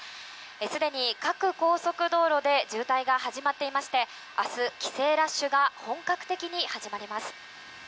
すでに各高速道路で渋滞が始まっていまして明日、帰省ラッシュが本格的に始まります。